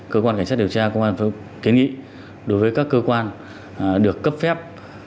cơ quan cảnh sát điều tra cơ quan thông tin đề nghị đối với các cơ quan được cấp phép